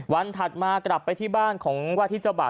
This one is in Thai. วันถัดมากลับไปที่บ้านของเจ้า